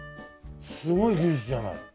すごい技術じゃない。